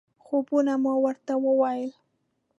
ځوابونه مې ورته وویل.